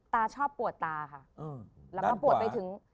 ตาชอบปวดตาค่ะ